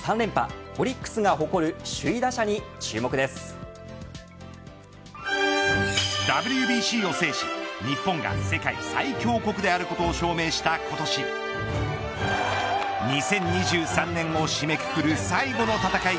今夜は、パ・リーグ３連覇オリックスが誇るＷＢＣを制し日本が世界最強国であることを証明した今年２０２３年を締めくくる最後の戦い